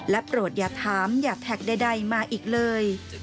โปรดอย่าถามอย่าแท็กใดมาอีกเลย